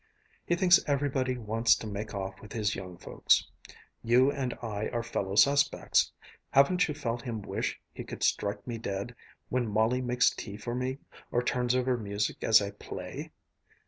He thinks everybody wants to make off with his young folks. You and I are fellow suspects. Haven't you felt him wish he could strike me dead, when Molly makes tea for me, or turns over music as I play?"